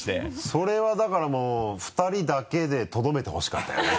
それはだからもう２人だけでとどめてほしかったよね。